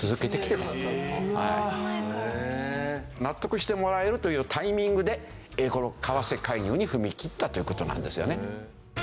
そんな前から。納得してもらえるというタイミングで為替介入に踏み切ったという事なんですよね。